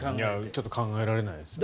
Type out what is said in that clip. ちょっと考えられないですね。